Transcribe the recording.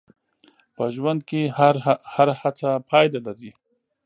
په ژوند کې هره هڅه پایله لري.